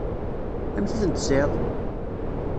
Amek i ten-tesεiḍ?